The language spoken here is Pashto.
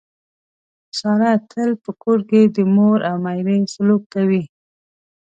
ساره تل په کور کې د مور او میرې سلوک کوي.